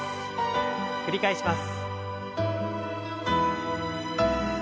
繰り返します。